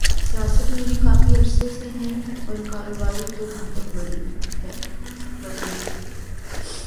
سیاست میں بھی کافی عرصے سے ہیں اور کاروباری تو بہت بڑے ہیں۔